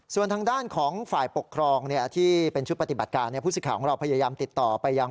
ส่วนทางด้านของฝ่ายปกครองที่เป็นชุดปฏิบัติการผู้สิทธิ์ของเราพยายามติดต่อไปยัง